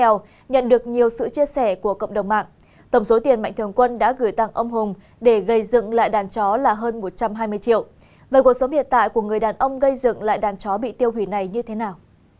về cuộc sống hiện tại của người đàn ông gây dựng lại đàn chó bị tiêu hủy này như thế nào